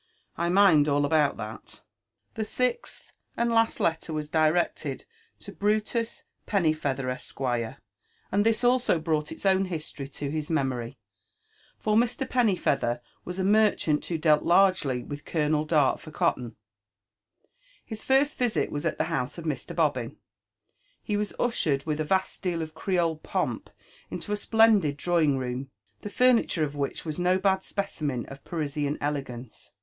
I laind all ahoMt that." The sixth and ,las^ letter was directed to Brutu$ PannyfeattiiEu;, £sg. JONATHAN /SFFfiUON WHITOAW. |jll aad tbiB also brought its own history to his meiDory, for Mr, Peany ^ feather w^s a mercbaol who dealt largely with Colonel Dart for cotton. His first visit was at the house of Mr. Bobbin . He was ushered with a vast deal of Creole pomp into a splendid drawing room, the furniture of which was bo had specimen of Parisian elegance.